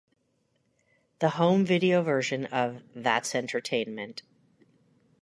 The home video version of That's Entertainment!